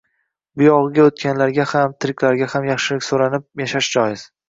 Buyog`iga o`tganlarga ham, tiriklarga ham yaxshilik so`ranib yashash joiz